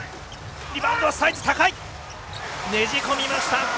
ねじ込みました！